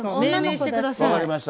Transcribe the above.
分かりました。